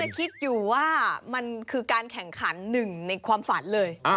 คิดอยู่ว่ามันคือการแข่งขันหนึ่งในความฝันเลย